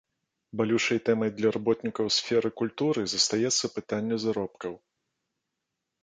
Балючай тэмай для работнікаў сферы культуры застаецца пытанне заробкаў.